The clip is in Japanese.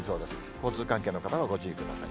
交通関係の方はご注意ください。